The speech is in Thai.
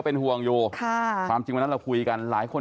เป็นห่วงอยู่ค่ะความจริงวันนั้นเราคุยกันหลายคน